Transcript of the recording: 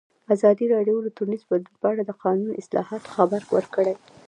ازادي راډیو د ټولنیز بدلون په اړه د قانوني اصلاحاتو خبر ورکړی.